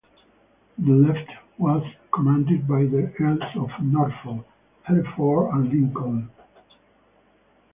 The left was commanded by the Earls of Norfolk, Hereford and Lincoln.